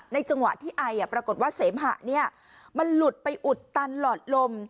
จังหวะที่ไอปรากฏว่าเสมหะมันหลุดไปอุดตันหลอดลม